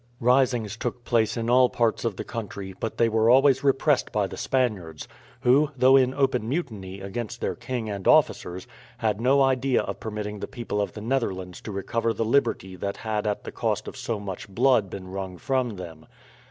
Risings took place in all parts of the country, but they were always repressed by the Spaniards; who, though in open mutiny against their king and officers, had no idea of permitting the people of the Netherlands to recover the liberty that had at the cost of so much blood been wrung from them.